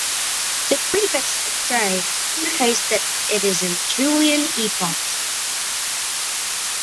The prefix "J" indicates that it is a Julian epoch.